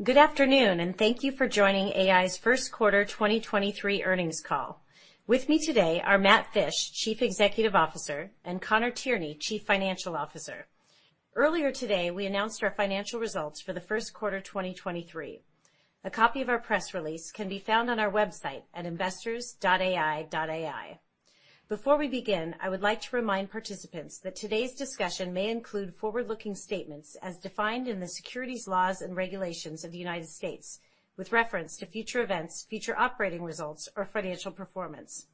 Good afternoon, and thank you for joining AEye's First Quarter 2023 Earnings call. With me today are Matt Fisch; Chief Executive Officer, and Conor Tierney; Chief Financial Officer. Earlier today, we announced our financial results for the First Quarter 2023. A copy of our press release can be found on our website at investors.aeye.ai. Before we begin, I would like to remind participants that today's discussion may include forward-looking statements as defined in the Securities laws and regulations of the United States with reference to future events, future operating results or financial performance.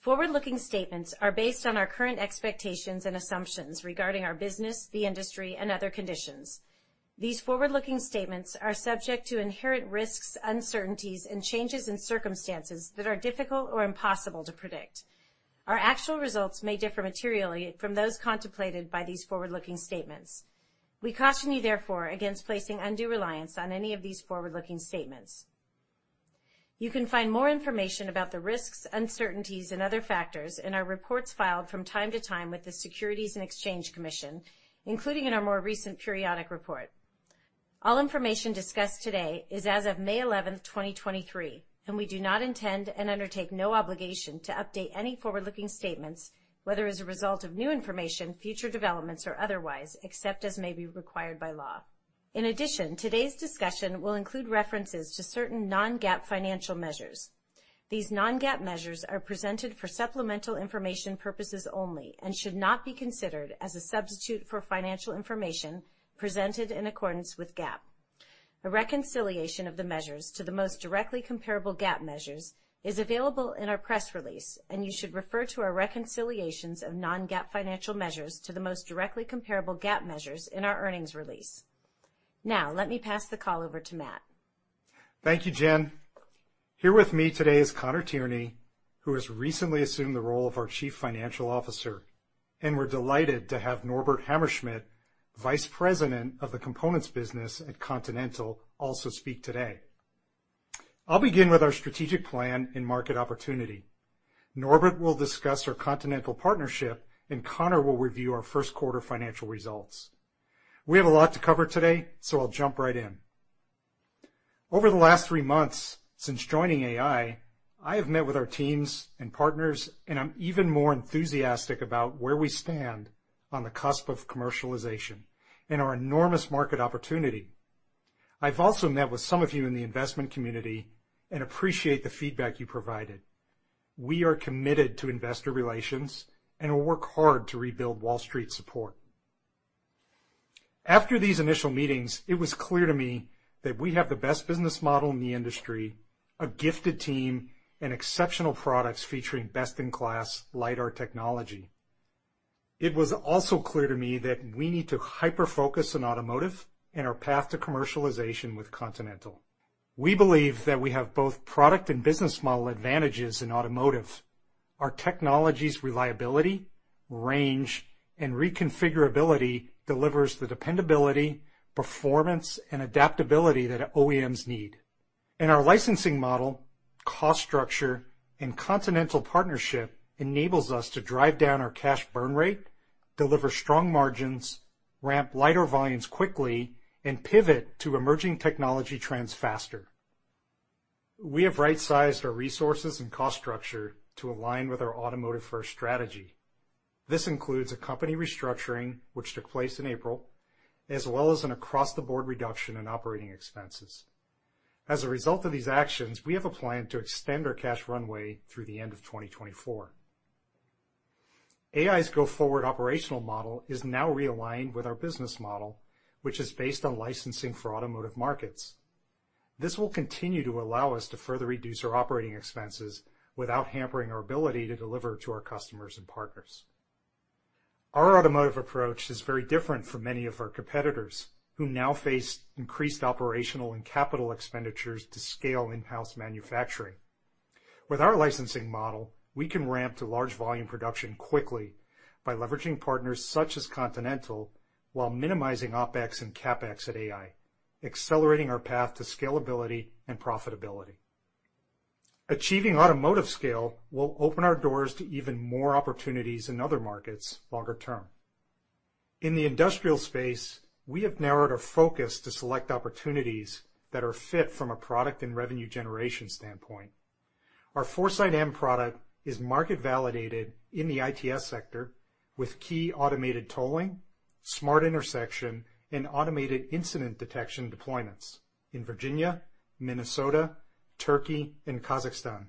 Forward-looking statements are based on our current expectations and assumptions regarding our business, the industry, and other conditions. These forward-looking statements are subject to inherent risks, uncertainties, and changes in circumstances that are difficult or impossible to predict. Our actual results may differ materially from those contemplated by these forward-looking statements. We caution you, therefore, against placing undue reliance on any of these forward-looking statements. You can find more information about the risks, uncertainties and other factors in our reports filed from time to time with the Securities and Exchange Commission, including in our more recent periodic report. All information discussed today is as of May eleventh, 2023. We do not intend and undertake no obligation to update any forward-looking statements, whether as a result of new information, future developments or otherwise, except as may be required by law. In addition, today's discussion will include references to certain non-GAAP financial measures. These non-GAAP measures are presented for supplemental information purposes only and should not be considered as a substitute for financial information presented in accordance with GAAP., A reconciliation of the measures to the most directly comparable GAAP measures is available in our press release. You should refer to our reconciliations of non-GAAP financial measures to the most directly comparable GAAP measures in our earnings release. Let me pass the call over to Matt. Thank you, Jen. Here with me today is Conor Tierney, who has recently assumed the role of our Chief Financial Officer. We're delighted to have Norbert Hammerschmidt, Vice President of the Components business at Continental, also speak today. I'll begin with our strategic plan and market opportunity. Norbert will discuss our Continental partnership. Conor will review our first-quarter financial results. We have a lot to cover today. I'll jump right in. Over the last three months since joining AEye, I have met with our teams and partners. I'm even more enthusiastic about where we stand on the cusp of commercialization and our enormous market opportunity. I've also met with some of you in the investment community and appreciate the feedback you provided. We are committed to investor relations and will work hard to rebuild Wall Street support. After these initial meetings, it was clear to me that we have the best business model in the industry, a gifted team, and exceptional products featuring best-in-class lidar technology. It was also clear to me that we need to hyper-focus on automotive and our path to commercialization with Continental. We believe that we have both product and business model advantages in automotive. Our technology's reliability, range, and reconfigurability delivers the dependability, performance, and adaptability that OEMs need. Our licensing model, cost structure, and Continental partnership enables us to drive down our cash burn rate, deliver strong margins, ramp lighter volumes quickly, and pivot to emerging technology trends faster. We have right-sized our resources and cost structure to align with our automotive-first strategy. This includes a company restructuring which took place in April, as well as an across-the-board reduction in operating expenses. As a result of these actions, we have a plan to extend our cash runway through the end of 2024. AEye's go-forward operational model is now realigned with our business model, which is based on licensing for automotive markets. This will continue to allow us to further reduce our operating expenses without hampering our ability to deliver to our customers and partners. Our automotive approach is very different from many of our competitors who now face increased operational and capital expenditures to scale in-house manufacturing. With our licensing model, we can ramp to large volume production quickly by leveraging partners such as Continental while minimizing OpEx and CapEx at AEye, accelerating our path to scalability and profitability. Achieving automotive scale will open our doors to even more opportunities in other markets longer term. In the industrial space, we have narrowed our focus to select opportunities that are fit from a product and revenue generation standpoint. Our 4Sight M product is market-validated in the ITS sector with key automated tolling, smart intersection, and automated incident detection deployments in Virginia, Minnesota, Turkey, and Kazakhstan.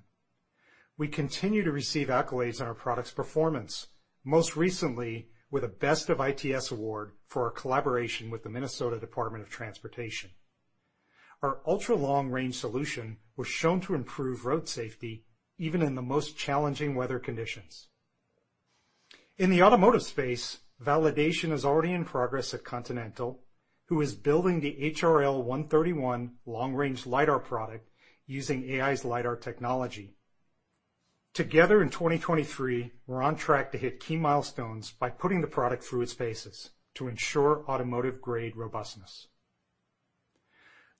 We continue to receive accolades on our product's performance, most recently with a Best of ITS Award for our collaboration with the Minnesota Department of Transportation. Our ultra-long-range solution was shown to improve road safety even in the most challenging weather conditions. In the automotive space, validation is already in progress at Continental, who is building the HRL131 long-range lidar product using AEye's lidar technology. Together in 2023, we're on track to hit key milestones by putting the product through its paces to ensure automotive-grade robustness.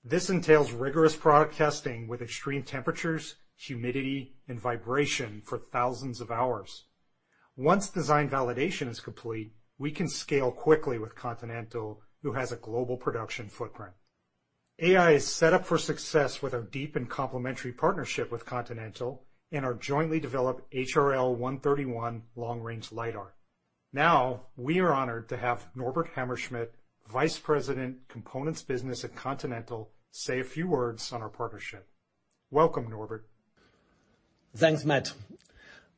This entails rigorous product testing with extreme temperatures, humidity, and vibration for thousands of hours. Once design validation is complete, we can scale quickly with Continental, who has a global production footprint. AEye is set up for success with our deep and complementary partnership with Continental and our jointly developed HRL131 long-range lidar. We are honored to have Norbert Hammerschmidt, Vice President, Components Business at Continental, say a few words on our partnership. Welcome, Norbert. Thanks, Matt.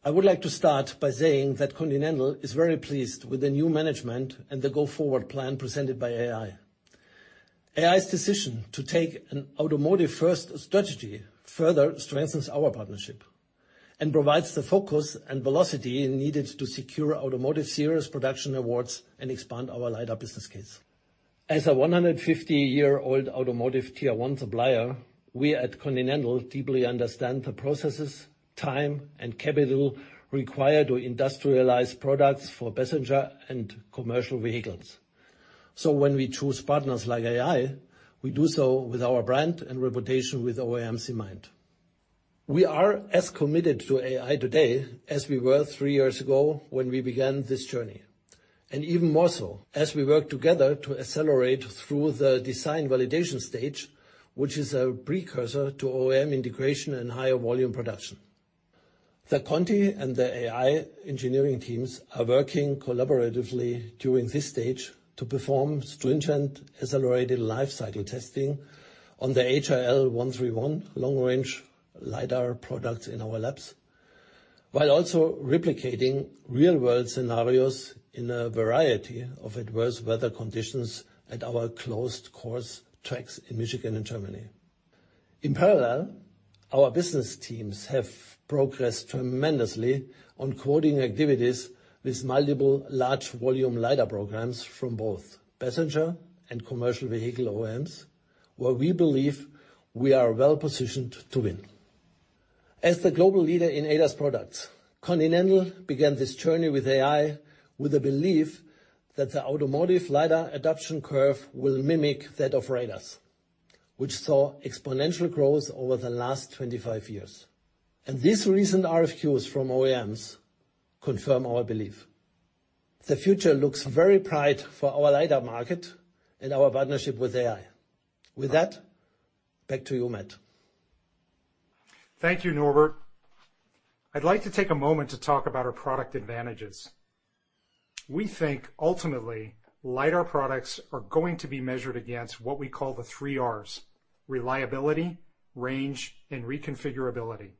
I would like to start by saying that Continental is very pleased with the new management and the go-forward plan presented by AEye. AEye's decision to take an automotive-first strategy further strengthens our partnership and provides the focus and velocity needed to secure automotive series production awards and expand our lidar business case. As a 150-year-old automotive Tier 1 supplier, we at Continental deeply understand the processes, time, and capital required to industrialize products for passenger and commercial vehicles. When we choose partners like AEye, we do so with our brand and reputation with OEMs in mind. We are as committed to AEye today as we were 3 years ago when we began this journey, and even more so as we work together to accelerate through the design validation stage, which is a precursor to OEM integration and higher volume production. The Conti and the AI engineering teams are working collaboratively during this stage to perform stringent accelerated lifecycle testing on the HRL131 long-range lidar products in our labs, while also replicating real-world scenarios in a variety of adverse weather conditions at our closed course tracks in Michigan and Germany. In parallel, our business teams have progressed tremendously on quoting activities with multiple large volume lidar programs from both passenger and commercial vehicle OEMs, where we believe we are well-positioned to win. As the global leader in ADAS products, Continental began this journey with AI with a belief that the automotive lidar adoption curve will mimic that of radars, which saw exponential growth over the last 25 years. These recent RFQs from OEMs confirm our belief. The future looks very bright for our lidar market and our partnership with AI. With that, back to you, Matt. Thank you, Norbert. I'd like to take a moment to talk about our product advantages. We think ultimately, lidar products are going to be measured against what we call the three Rs: reliability, range, and reconfigurability.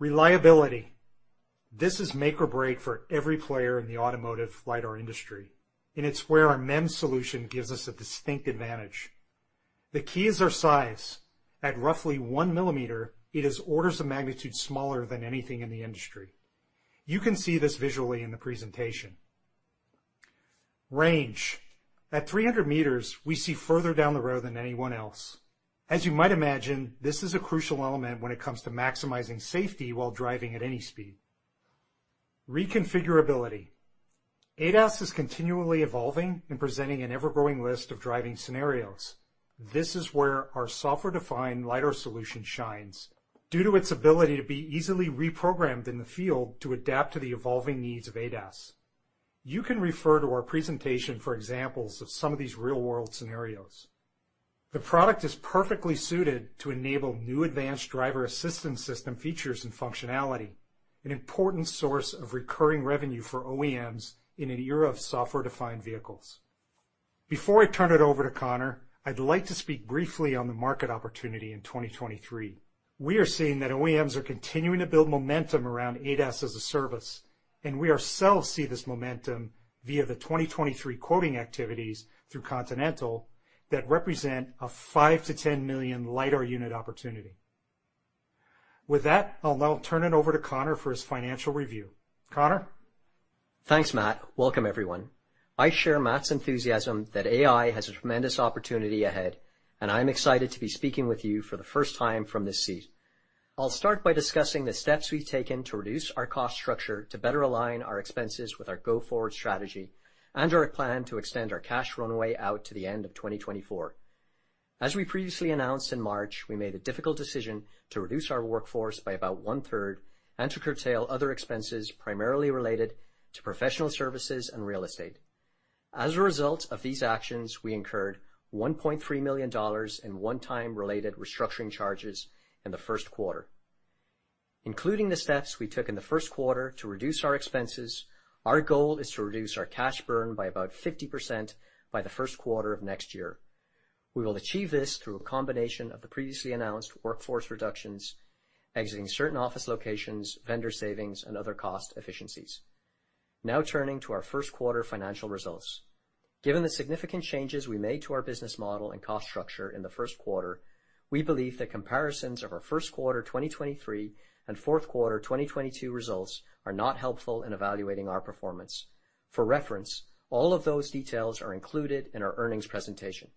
Reliability. This is make or break for every player in the automotive lidar industry, and it's where our MEMS solution gives us a distinct advantage. The key is our size. At roughly 1 millimeter, it is orders of magnitude smaller than anything in the industry. You can see this visually in the presentation. Range. At 300 meters, we see further down the road than anyone else. As you might imagine, this is a crucial element when it comes to maximizing safety while driving at any speed. Reconfigurability. ADAS is continually evolving and presenting an ever-growing list of driving scenarios. This is where our software-defined lidar solution shines due to its ability to be easily reprogrammed in the field to adapt to the evolving needs of ADAS. You can refer to our presentation for examples of some of these real-world scenarios. The product is perfectly suited to enable new advanced driver assistance system features and functionality, an important source of recurring revenue for OEMs in an era of software-defined vehicles. Before I turn it over to Conor, I'd like to speak briefly on the market opportunity in 2023. We are seeing that OEMs are continuing to build momentum around ADAS as a service. We ourselves see this momentum via the 2023 quoting activities through Continental that represent a 5 million-10 million lidar unit opportunity. With that, I'll now turn it over to Conor for his financial review. Conor? Thanks, Matt. Welcome, everyone. I share Matt's enthusiasm that AEye has a tremendous opportunity ahead, and I'm excited to be speaking with you for the first time from this seat. I'll start by discussing the steps we've taken to reduce our cost structure to better align our expenses with our go-forward strategy and our plan to extend our cash runway out to the end of 2024. As we previously announced in March, we made a difficult decision to reduce our workforce by about one-third and to curtail other expenses primarily related to professional services and real estate. As a result of these actions, we incurred $1.3 million in one-time related restructuring charges in the first quarter. Including the steps we took in the first quarter to reduce our expenses, our goal is to reduce our cash burn by about 50% by the first quarter of next year. We will achieve this through a combination of the previously announced workforce reductions, exiting certain office locations, vendor savings, and other cost efficiencies. Now turning to our first quarter financial results. Given the significant changes we made to our business model and cost structure in the first quarter, we believe that comparisons of our first quarter 2023 and fourth quarter 2022 results do not help evaluate our performance. For reference, all of those details are included in our earnings presentation.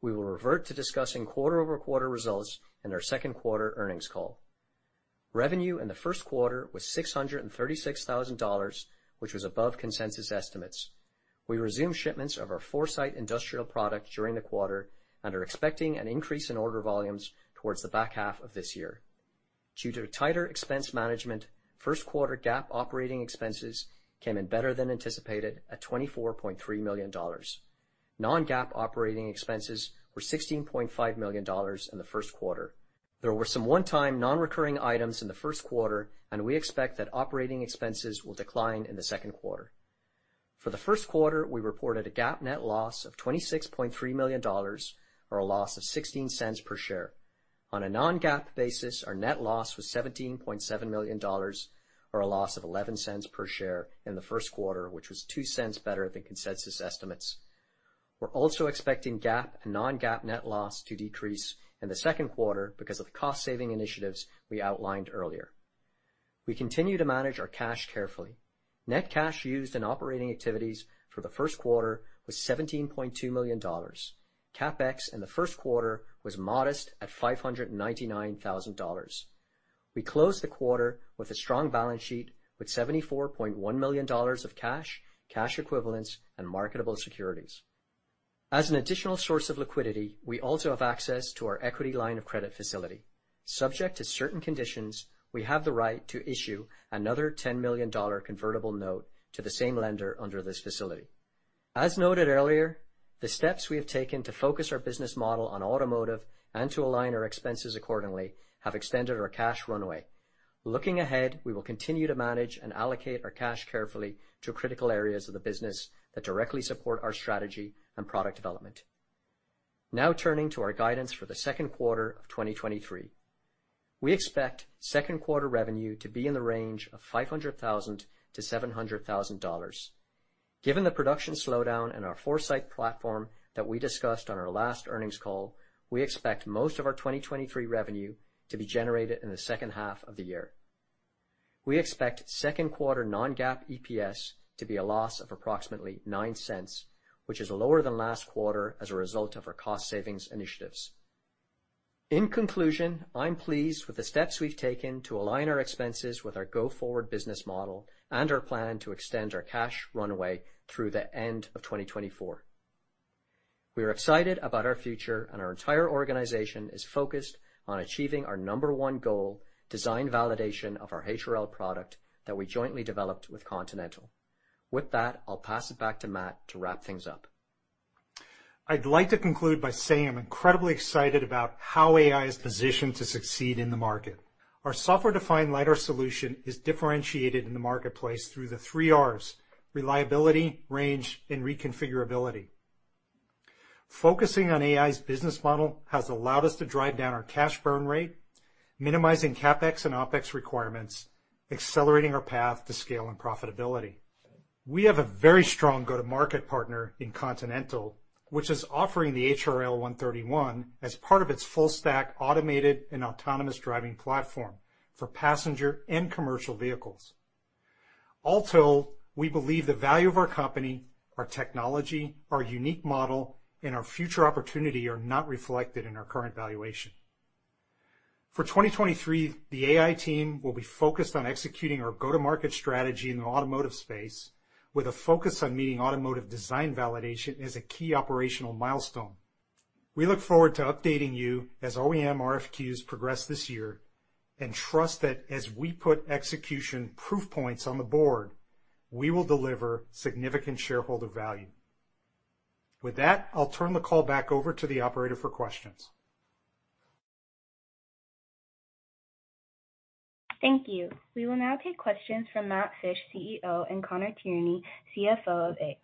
We will revert to discussing quarter-over-quarter results in our second-quarter earnings call. Revenue in the first quarter was $636,000, which was above consensus estimates. We resumed shipments of our 4Sight industrial product during the quarter and are expecting an increase in order volumes towards the back half of this year. Due to tighter expense management, first-quarter GAAP operating expenses came in better than anticipated at $24.3 million. Non-GAAP operating expenses were $16.5 million in the first quarter. There were some one-time non-recurring items in the first quarter. We expect that operating expenses will decline in the second quarter. For the first quarter, we reported a GAAP net loss of $26.3 million, or a loss of $0.16 per share. On a non-GAAP basis, our net loss was $17.7 million or a loss of $0.11 per share in the first quarter, which was $0.02 better than consensus estimates. We're also expecting GAAP and non-GAAP net loss to decrease in the second quarter because of the cost-saving initiatives we outlined earlier. We continue to manage our cash carefully. Net cash used in operating activities for the first quarter was $17.2 million. CapEx in the first quarter was modest at $599,000. We closed the quarter with a strong balance sheet with $74.1 million of cash equivalents, and marketable securities. As an additional source of liquidity, we also have access to our equity line of credit facility. Subject to certain conditions, we have the right to issue another $10 million convertible note to the same lender under this facility. As noted earlier, the steps we have taken to focus our business model on automotive and to align our expenses accordingly have extended our cash runway. Looking ahead, we will continue to manage and allocate our cash carefully to critical areas of the business that directly support our strategy and product development. Now turning to our guidance for the second quarter of 2023. We expect second-quarter revenue to be in the range of $500,000-$700,000. Given the production slowdown in our 4Sight platform that we discussed on our last earnings call, we expect most of our 2023 revenue to be generated in the second half of the year. We expect second-quarter non-GAAP EPS to be a loss of approximately $0.09, which is lower than last quarter as a result of our cost savings initiatives. In conclusion, I'm pleased with the steps we've taken to align our expenses with our go-forward business model and our plan to extend our cash runway through the end of 2024. Our entire organization is focused on achieving our number one goal, design validation of our HRL product that we jointly developed with Continental. With that, I'll pass it back to Matt to wrap things up. I'd like to conclude by saying I'm incredibly excited about how AEye is positioned to succeed in the market. Our software-defined lidar solution is differentiated in the marketplace through the three Rs: reliability, range, and reconfigurability. Focusing on AEye's business model has allowed us to drive down our cash burn rate, minimizing CapEx and OpEx requirements, accelerating our path to scale and profitability. We have a very strong go-to-market partner in Continental, which is offering the HRL131 as part of its full-stack automated and autonomous driving platform for passenger and commercial vehicles. All told, we believe the value of our company, our technology, our unique model, and our future opportunity are not reflected in our current valuation. For 2023, the AEye team will be focused on executing our go-to-market strategy in the automotive space with a focus on meeting automotive design validation as a key operational milestone. We look forward to updating you as OEM RFQs progress this year and trust that as we put execution proof points on the board, we will deliver significant shareholder value. With that, I'll turn the call back over to the operator for questions. Thank you. We will now take questions from Matt Fisch, CEO, and Conor Tierney, CFO of AEye.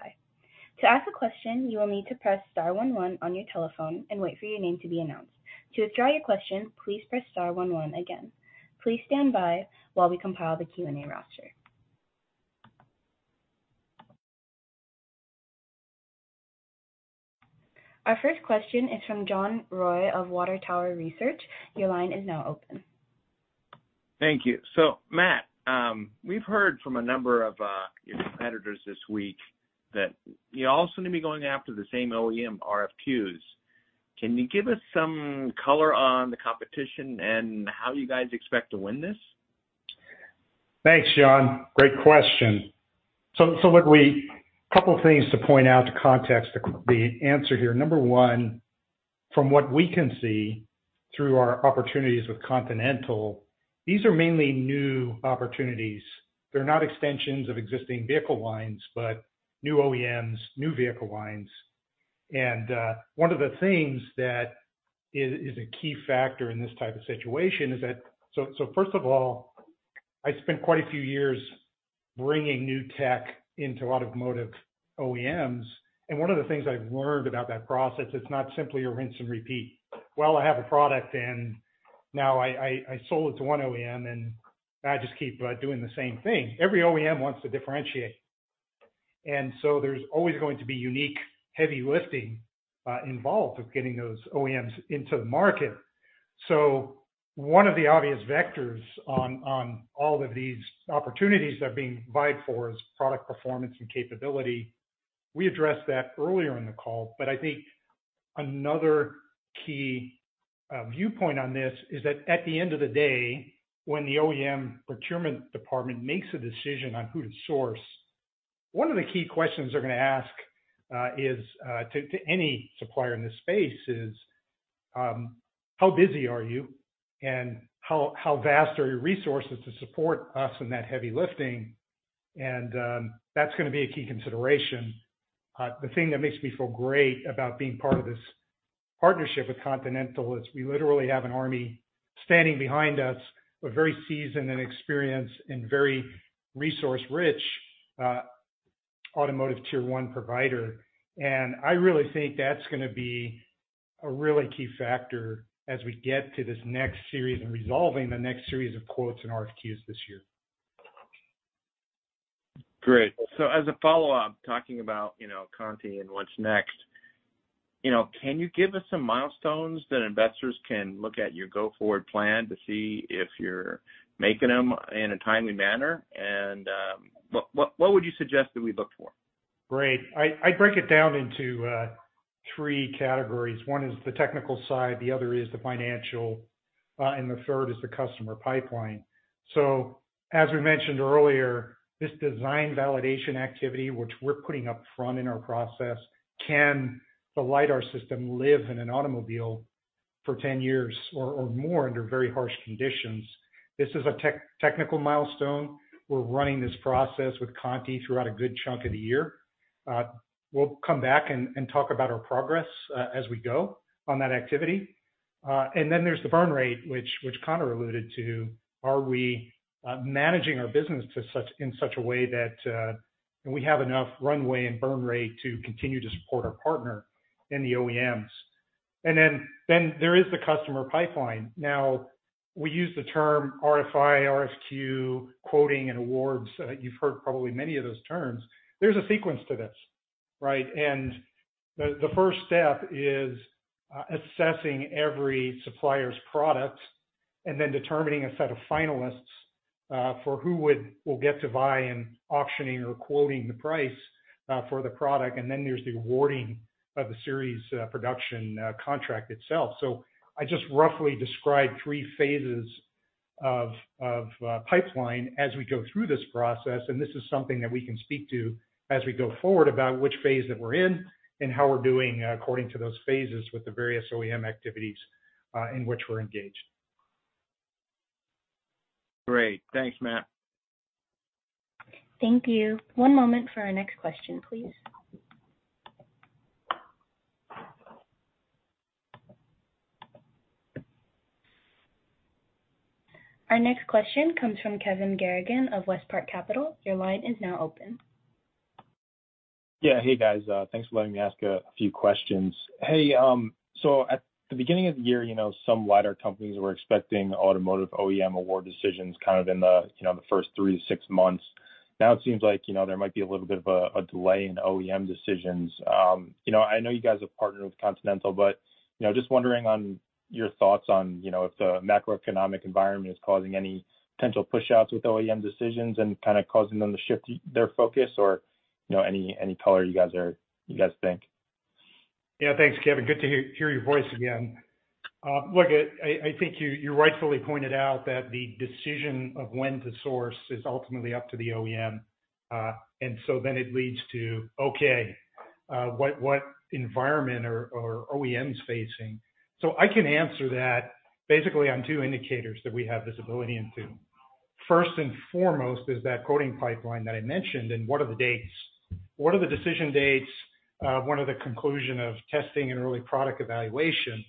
To ask a question, you will need to press star one one on your telephone and wait for your name to be announced. To withdraw your question, please press star one one again. Please stand by while we compile the Q&A roster. Our first question is from John Roy of Water Tower Research. Your line is now open. Thank you. Matt, we've heard from a number of your competitors this week that you're also going to be going after the same OEM RFQs. Can you give us some color on the competition and how you guys expect to win this? Thanks, John. Great question. Look, couple of things to point out to context the answer here. Number one, from what we can see through our opportunities with Continental, these are mainly new opportunities. They're not extensions of existing vehicle lines, but new OEMs, new vehicle lines. One of the things that is a key factor in this type of situation is that. First of all, I spent quite a few years bringing new tech into automotive OEMs, and one of the things I've learned about that process, it's not simply a rinse and repeat. Well, I have a product, and now I sold it to one OEM, and I just keep doing the same thing. Every OEM wants to differentiate. There's always going to be unique heavy lifting involved with getting those OEMs into the market. One of the obvious vectors on all of these opportunities that are being vied for is product performance and capability. We addressed that earlier in the call, but I think. Another key viewpoint on this is that at the end of the day, when the OEM procurement department makes a decision on who to source, one of the key questions they're gonna ask is to any supplier in this space is how busy are you and how vast are your resources to support us in that heavy lifting? That's gonna be a key consideration. The thing that makes me feel great about being part of this partnership with Continental is we literally have an army standing behind us, a very seasoned and experienced and very resource-rich automotive tier one provider. I really think that's gonna be a really key factor as we get to this next series and resolving the next series of quotes and RFQs this year. Great. As a follow-up, talking about, you know, Continental and what's next, you know, can you give us some milestones that investors can look at your go-forward plan to see if you're making them in a timely manner? And, what would you suggest that we look for? Great. I break it down into three categories. One is the technical side, the other is the financial, and the third is the customer pipeline. As we mentioned earlier, this design validation activity, which we're putting up front in our process, can the lidar system live in an automobile for 10 years or more under very harsh conditions? This is a technical milestone. We're running this process with Continental throughout a good chunk of the year. We'll come back and talk about our progress as we go on that activity. Then there's the burn rate, which Conor alluded to. Are we managing our business in such a way that we have enough runway and burn rate to continue to support our partner in the OEMs? Then there is the customer pipeline. We use the term RFI, RFQ, quoting, and awards. You've heard probably many of those terms. There's a sequence to this, right? The first step is assessing every supplier's products and then determining a set of finalists for who will get to vie in auctioning or quoting the price for the product. Then there's the awarding of the series production contract itself. I just roughly described three phases of pipeline as we go through this process, and this is something that we can speak to as we go forward about which phase that we're in and how we're doing according to those phases with the various OEM activities in which we're engaged. Great. Thanks, Matt. Thank you. One moment for our next question, please. Our next question comes from Kevin Garrigan of Westpark Capital. Your line is now open. Yeah. Hey, guys. Thanks for letting me ask a few questions. Hey, at the beginning of the year, you know, some lidar companies were expecting automotive OEM award decisions kind of in the, you know, the first three to six months. Now it seems like, you know, there might be a little bit of a delay in OEM decisions. You know, I know you guys have partnered with Continental, but, you know, just wondering on your thoughts on, you know, if the macroeconomic environment is causing any potential pushouts with OEM decisions and kind of causing them to shift their focus, or, you know, any color you guys think? Yeah. Thanks, Kevin. Good to hear your voice again. Look, I think you rightfully pointed out that the decision of when to source is ultimately up to the OEM. It leads to, okay, what environment are OEMs facing? I can answer that basically on two indicators that we have visibility into. First and foremost is that quoting pipeline that I mentioned, and what are the dates? What are the decision dates? What are the conclusion of testing and early product evaluation?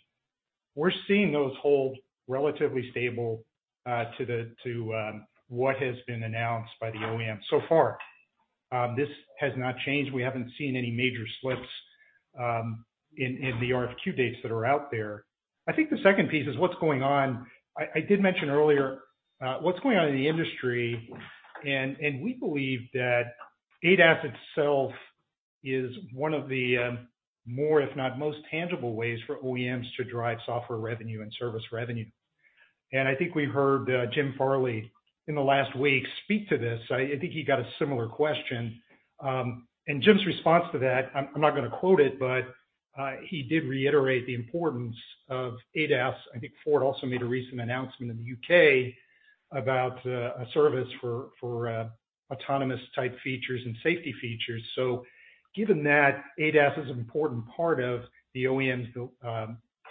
We're seeing those hold relatively stable to what has been announced by the OEM so far. This has not changed. We haven't seen any major slips in the RFQ dates that are out there. I think the second piece is what's going on. I did mention earlier what's going on in the industry, and we believe that ADAS itself is one of the more, if not most tangible ways for OEMs to drive software revenue and service revenue. I think we heard Jim Farley in the last week spoke to this. I think he got a similar question. Jim's response to that, I'm not gonna quote it, but he did reiterate the importance of ADAS. I think Ford also made a recent announcement in the U.K. about a service for autonomous-type, features and safety features. Given that ADAS is an important part of the OEMs,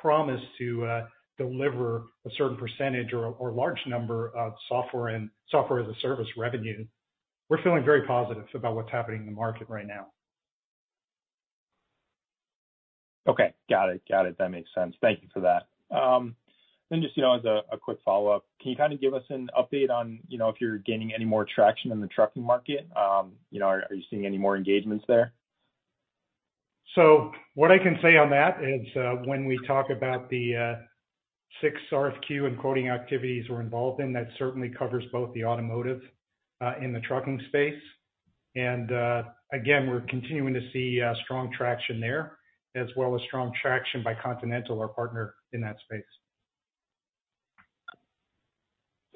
promise to deliver a certain percentage or large number of software and software as a service revenue, we're feeling very positive about what's happening in the market right now. Okay. Got it. That makes sense. Thank you for that. Just, you know, as a quick follow-up, can you kind of give us an update on, you know, if you're gaining any more traction in the trucking market? You know, are you seeing any more engagements there? What I can say on that is, when we talk about the 6 RFQ and quoting activities we're involved in, that certainly covers both the automotive, and the trucking space. Again, we're continuing to see, strong traction there, as well as strong traction by Continental, our partner in that space.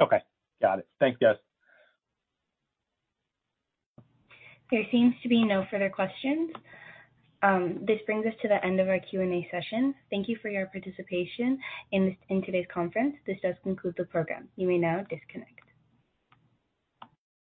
Okay. Got it. Thanks, guys. There seems to be no further questions. This brings us to the end of our Q&A session. Thank you for your participation in today's conference. This does conclude the program. You may now disconnect.